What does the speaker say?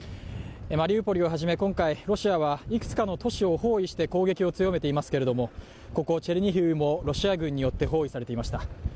マリウポリをはじめ今回ロシアはいくつかの都市を包囲して攻撃を強めていますがここチェルニヒウもロシア軍によって包囲されていました。